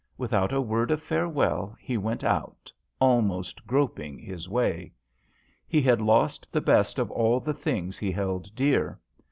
Without a word of farewell he went out, almost groping his way. He had lost the best of all the things he held dear.